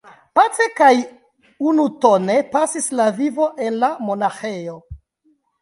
Pace kaj unutone pasis la vivo en la monaĥejo.